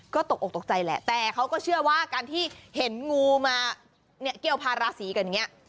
ก็ตกออกตกใจแหละแต่เขาก็เชื่อว่าการที่เห็นงูมาเนี่ยเกี่ยวพาราศีกันอย่างนี้